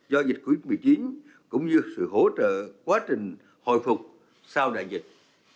do dịch cuối tuyến cũng như sự hỗ trợ quá trình hồi phục sau đại dịch